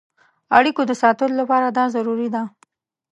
اړیکو د ساتلو لپاره دا ضروري ده.